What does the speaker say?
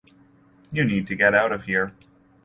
You need to get out of here.